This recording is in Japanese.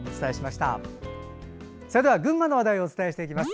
それでは群馬の話題をお伝えします。